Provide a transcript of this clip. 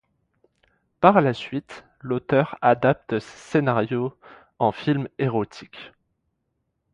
Par la suite, l'auteur adapte ses scénarios en film érotique.